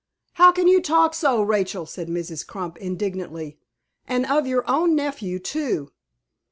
"How can you talk so, Rachel?" said Mrs. Crump, indignantly; "and of your own nephew, too!"